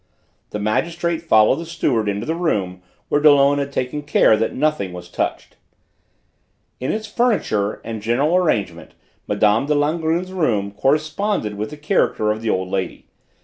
The magistrate followed the steward into the room where Dollon had taken care that nothing was touched. In its furniture and general arrangement Mme. de Langrune's room corresponded with the character of the old lady.